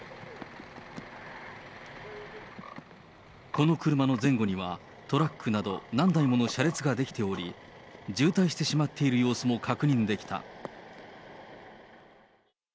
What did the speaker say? この車の前後には、トラックなど何台もの車列が出来ており、渋滞してしまっている様子も確認できた。